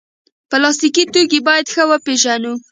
پلاستيکي توکي باید ښه وپیژنو.